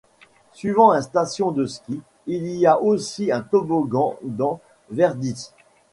Suivant un station de ski il y a aussi un toboggan dans Verditz.